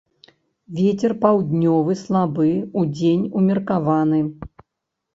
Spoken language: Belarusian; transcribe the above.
Вецер паўднёвы слабы, удзень умеркаваны.